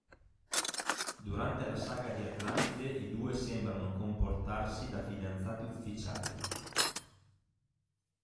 Durante la Saga di Atlantide i due sembrano comportarsi da fidanzati ufficiali.